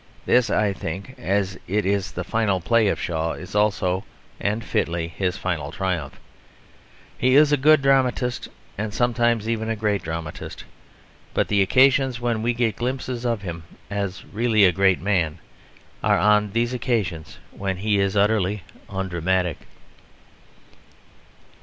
This, I think, as it is the final play of Shaw, is also, and fitly, his final triumph. He is a good dramatist and sometimes even a great dramatist. But the occasions when we get glimpses of him as really a great man are on these occasions when he is utterly undramatic.